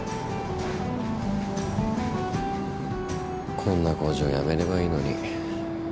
こんな工場やめればいいのに。